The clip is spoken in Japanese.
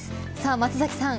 松崎さん